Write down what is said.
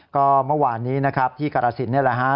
ก็เมื่อวานนี้นะครับที่กรสินนี่แหละฮะ